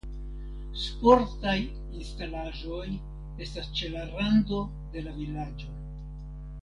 Sportaj instalaĵoj estas ĉe la rando de la vilaĝo.